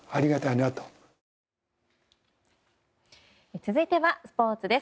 続いてはスポーツです。